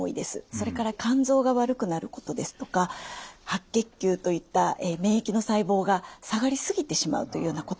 それから肝臓が悪くなることですとか白血球といった免疫の細胞が下がり過ぎてしまうというようなこともあります。